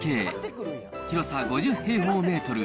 広さ５０平方メートル。